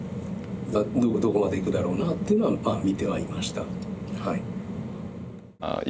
どこまでいくだろうなっていうのはまあ見てはいました。